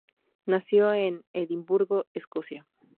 Nació en Edimburgo, Escocia.